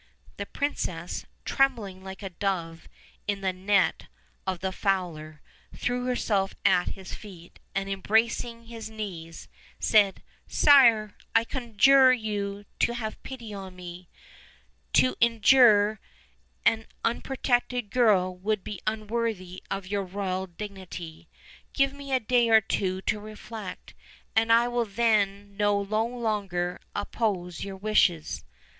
The princess, trembling like a dove in the net of the fowler, threw herself at his feet, and embracing his knees, said: "Sire, I conjure you to have pity on me; to injure an unprotected girl would be unworthy of your royal dig nity. Give me a day or two to reflect, and I will then no longer oppose your wishes."